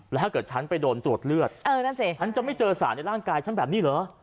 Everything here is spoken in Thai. แล้วถ้าเกิดฉันไปโดนตรวจเลือดเออนั่นสิฉันจะไม่เจอสารในร่างกายฉันแบบนี้เหรอ